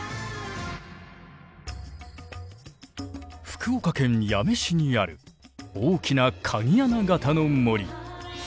福岡県八女市にある大きな鍵穴形の森。